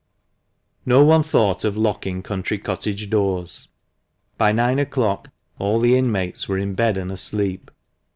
No one thought of locking country cottage doors. By nine o'clock all the inmates were in bed and asleep.